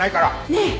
ねえ！